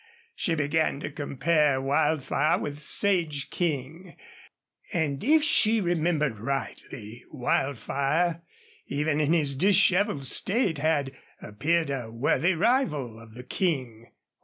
She began to compare Wildfire with Sage King, and if she remembered rightly Wildfire, even in his disheveled state, had appeared a worthy rival of the King.